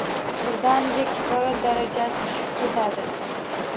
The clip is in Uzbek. Birdaniga kislorod darajasi tushib ketadi